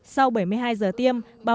sau bảy mươi hai giờ tiêm báo cáo